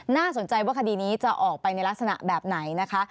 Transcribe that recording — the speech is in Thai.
น่าสนใจว่าคดีนี้จะออกไปในลักษณะแบบไหนนะคะ